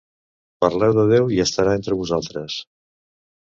Parleu de Déu i estarà entre vosaltres.